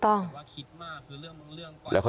แต่ว่าวินนิสัยดุเสียงดังอะไรเป็นเรื่องปกติอยู่แล้วครับ